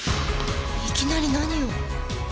いきなり何を？